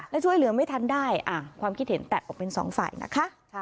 และช่วยเหลือไม่ทันได้ความคิดเห็นแตกออกเป็นสองฝ่ายนะคะ